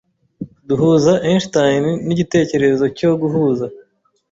Duhuza Einstein nigitekerezo cyo guhuza.